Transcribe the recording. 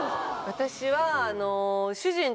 私は。